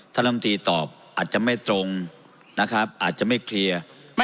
ลำตีตอบอาจจะไม่ตรงนะครับอาจจะไม่เคลียร์